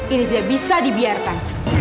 ini tidak bisa dibiarkan